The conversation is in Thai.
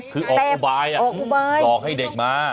คือออกอุบายหลอกให้เด็กมา